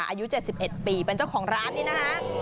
อายุ๗๑ปีเป็นเจ้าของร้านนี่นะคะ